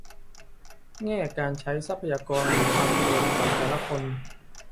แง่การใช้ทรัพยากรหรือความสะดวกของแต่ละคน